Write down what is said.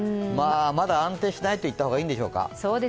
まだ安定しないといった方がいいんでしょうか。